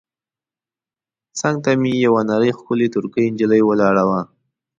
څنګ ته مې یوه نرۍ ښکلې ترکۍ نجلۍ ولاړه وه.